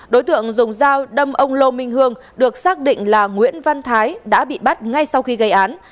đối tượng dùng dao đâm ông lô minh hương được xác định là nguyễn văn thái đã bị bắt ngay sau khi gây án